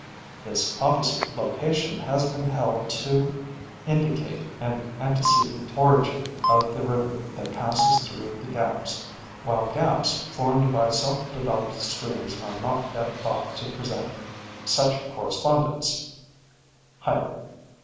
This opposite location has been held to indicate an antecedent origin of the river that passes through the gaps, while gaps formed by self developed streams are not thought to present such correspondence (Hilber).